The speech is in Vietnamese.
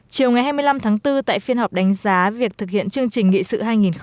chiều ngày hai mươi năm tháng bốn tại phiên họp đánh giá việc thực hiện chương trình nghị sự hai nghìn ba mươi